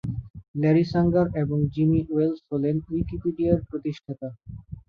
Larry Sanger এবং Jimmy Wales হলেন উইকিপিডিয়ার প্রতিষ্ঠাতা।